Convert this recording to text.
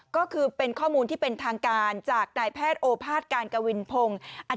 ก็คือเป็นข้อมูลที่เป็นทางการจากนายแพทย์โอภาษการกวินพงศ์